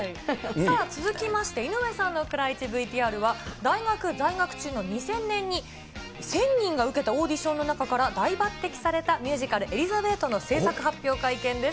さあ続きまして、井上さんの蔵イチＶＴＲは大学在学中の２０００年に、１０００人が受けたオーディションの中から大抜てきされたミュージカル、エリザベートの制作発表会見です。